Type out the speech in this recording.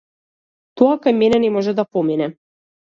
Тоа кај мене не може да помине!